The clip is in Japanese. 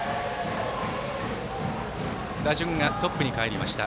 打順がトップにかえりました。